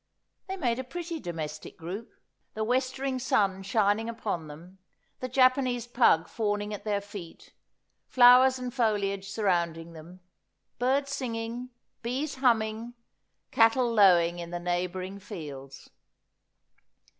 They made a pretty domestic group : the westering sun shining upon them, the Japanese pug fawning at their feet, flowers and foliage surrounding them, birds singing, bees hum ming, cattle lowing in the neighbouring fields.